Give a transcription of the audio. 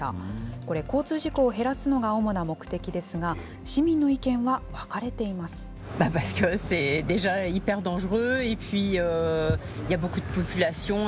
これ、交通事故を減らすのが主な目的ですが、市民の意見は分かれています。